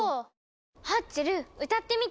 ハッチェル歌ってみて。